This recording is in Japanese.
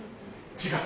違う。